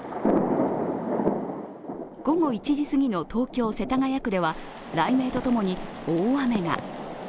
午後１時すぎの東京・世田谷区では雷鳴と共に大雨が。